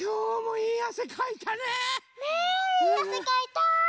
いいあせかいた。